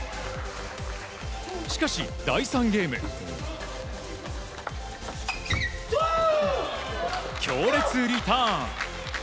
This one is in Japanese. しかし第３ゲーム強烈リターン。